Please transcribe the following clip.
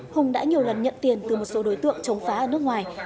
hùng đã nhiều lần nhận tiền từ một số đối tượng chống phá ở nước ngoài